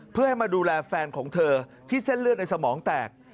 เพื่อให้มาดูแลแฟนของเธอที่เส้นเลือดในสมองแตก